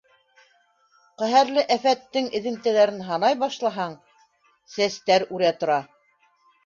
Ҡәһәрле афәттең эҙемтәләрен һанай башлаһаң, сәстәр үрә тора.